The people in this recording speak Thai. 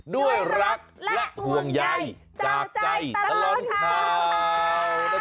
ด้วยรักและห่วงใยจากใจตลอดข่าว